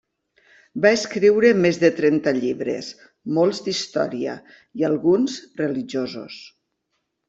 Va escriure més de trenta llibres molts d'història i alguns religiosos.